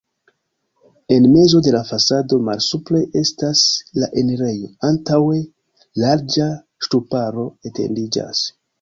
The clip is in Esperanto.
En mezo de la fasado malsupre estas la enirejo, antaŭe larĝa ŝtuparo etendiĝas.